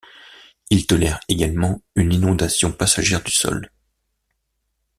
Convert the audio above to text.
Il tolère également une inondation passagère du sol.